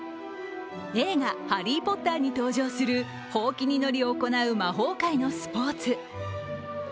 映画「ハリー・ポッター」に登場するほうきに乗り行う、魔法界のスポット。